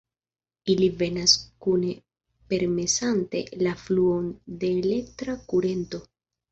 Ili venas kune permesante la fluon de elektra kurento.